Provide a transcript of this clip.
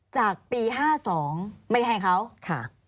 จากปี๕๒ไม่ได้ให้เขาค่ะ